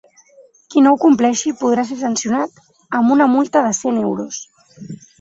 Qui no ho compleixi podrà ser sancionat amb una multa de cent euros.